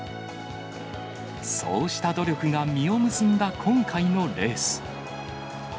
そうした努力が実を結んだ今回のレース。